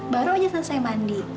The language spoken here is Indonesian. baru aja selesai mandi